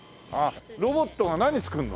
ロボットが何作るの？